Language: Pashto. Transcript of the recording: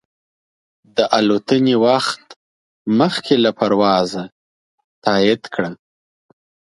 د الوتنې وخت مخکې له پروازه تایید کړه.